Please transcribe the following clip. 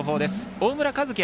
大村和輝